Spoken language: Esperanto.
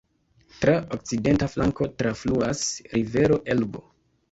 Tra okcidenta flanko trafluas rivero Elbo.